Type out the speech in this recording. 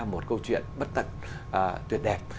một câu chuyện bất tật tuyệt đẹp